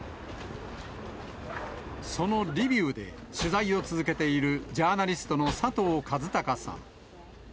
そのリビウで取材を続けているジャーナリストの佐藤和孝さん。